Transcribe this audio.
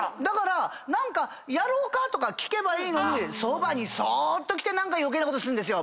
「何かやろうか？」とか聞けばいいのにそーっと来て何か余計なことするんですよ。